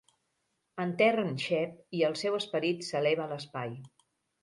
Enterren Shep i el seu esperit s'eleva a l'espai.